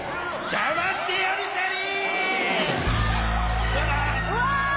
じゃましてやるシャリ！